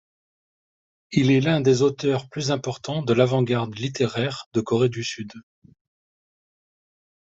Il est l'un des auteurs plus importants de l'avant-garde littéraire de Corée du Sud.